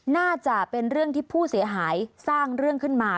น่าจะเป็นเรื่องที่ผู้เสียหายสร้างเรื่องขึ้นมา